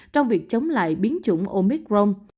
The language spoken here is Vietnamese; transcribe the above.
trong việc chống lại biến chủng omicron